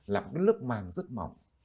là một lớp màng rất mỏng